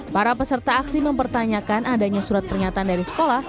para peserta aksi mempertanyakan adanya surat pernyataan dari sekolah